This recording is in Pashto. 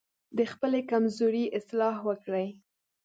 د خپلو کمزورۍ اصلاح وکړئ.